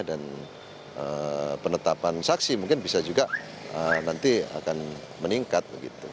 dan penetapan saksi mungkin bisa juga nanti akan meningkat